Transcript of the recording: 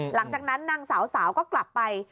หลังจากนั้นนางสาวสาวก็กลับไป